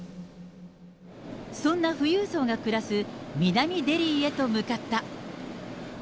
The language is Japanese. そんな富裕層が暮らす南デリーへと向かった。